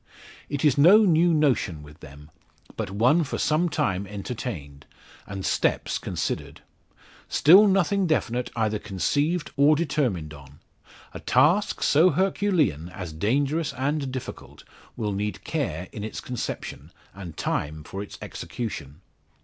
It is no new notion with them; but one for some time entertained, and steps considered. Still nothing definite either conceived, or determined on. A task, so herculean, as dangerous and difficult, will need care in its conception, and time for its execution.